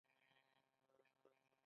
خروار ولسوالۍ غرنۍ ده؟